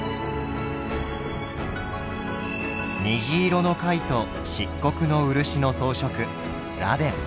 虹色の貝と漆黒の漆の装飾螺鈿。